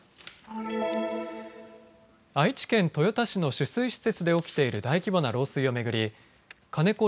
愛知県豊田市の取水施設で起きている大規模な漏水を巡り金子